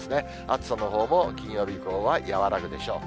暑さのほうも金曜日以降は和らぐでしょう。